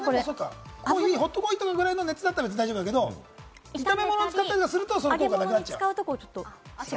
ホットコーヒーぐらいの熱だったら大丈夫だけれども、炒め物に使ったりすると効果がなくなっちゃうと。